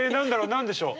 何でしょう？